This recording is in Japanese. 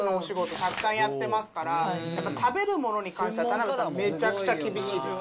たくさんやってますから、やっぱり食べるものに関しては、田辺さん、めちゃくちゃ厳しいです。